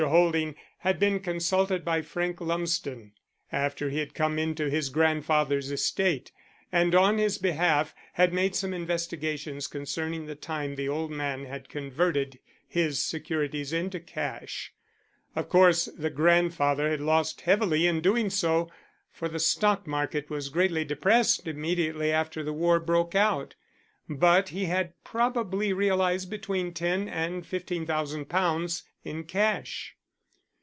Holding had been consulted by Frank Lumsden after he had come into his grandfather's estate, and on his behalf had made some investigations concerning the time the old man had converted his securities into cash. Of course the grandfather had lost heavily in doing so, for the stock market was greatly depressed immediately after the war broke out. But he had probably realized between ten and fifteen thousand pounds in cash.